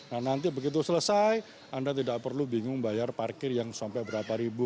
nah nanti begitu selesai anda tidak perlu bingung bayar parkir yang sampai berapa ribu